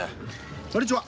こんにちは！